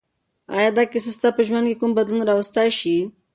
آیا دا کیسه ستا په ژوند کې کوم بدلون راوستی شي؟